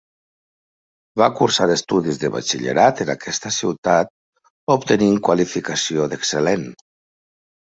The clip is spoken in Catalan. Va cursar estudis de batxillerat en aquesta ciutat, obtenint qualificació d'excel·lent.